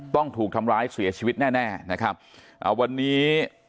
ต้องถูกทำร้ายเสียชีวิตแน่แน่นะครับอ่าวันนี้